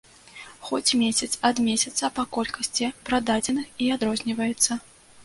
Хоць месяц ад месяца па колькасці прададзеных і адрозніваецца.